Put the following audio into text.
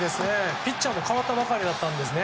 ピッチャーも代わったばかりだったんですね。